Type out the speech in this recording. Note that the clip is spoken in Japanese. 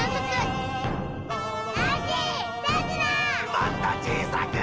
もっとちいさくー！